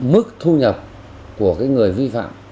mức thu nhập của người vi phạm